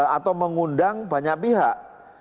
atau mengundang banyak pihak